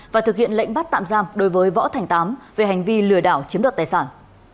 và thực hiện lệnh bắt tạm giam đối với võ thành tám về hành vi lừa đảo chiếm đoạt tài sản